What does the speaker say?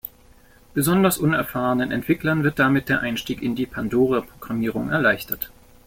Besonders unerfahrenen Entwicklern wird damit der Einstieg in die „Pandora-Programmierung“ erleichtert.